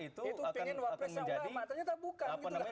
itu pengen wapres yang ulama